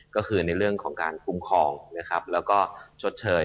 ก็คือในเรื่องของการคุ้มครองนะครับแล้วก็ชดเชย